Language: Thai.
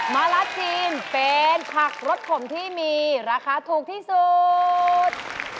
มารัสทีมเป็นผักรสขมที่มีราคาถูกที่สุด